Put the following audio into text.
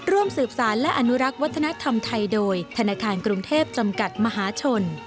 ร่วมสืบสารและอนุรักษ์วัฒนธรรมไทยโดยธนาคารกรุงเทพจำกัดมหาชน